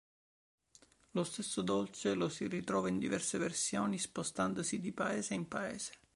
Lo stesso dolce lo si ritrova in diverse versioni spostandosi di paese in paese.